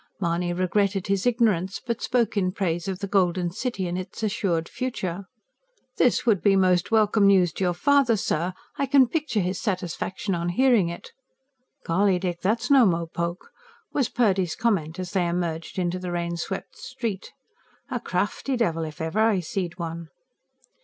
Mahony regretted his ignorance, but spoke in praise of the Golden City and its assured future. "This would be most welcome news to your father, sir. I can picture his satisfaction on hearing it." "Golly, Dick, that's no mopoke!" was Purdy's comment as they emerged into the rain swept street. "A crafty devil, if ever I see'd one."